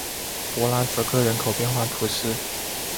博拉泽克人口变化图示